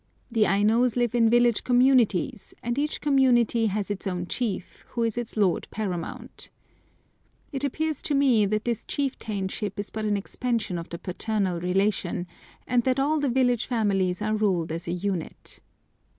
The Ainos live in village communities, and each community has its own chief, who is its lord paramount. It appears to me that this chieftainship is but an expansion of the paternal relation, and that all the village families are ruled as a unit.